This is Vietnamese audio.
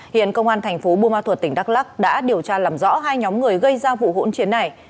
hiện công an thành phố bùa ma thuật tỉnh đắk lắc đã điều tra làm rõ hai nhóm người gây ra vụ hỗn chiến này